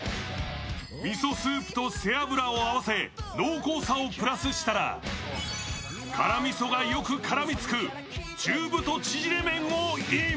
味噌スープと背脂を合わせ濃厚さをプラスしたら辛味噌がよく絡みつく中太縮れ麺をイン。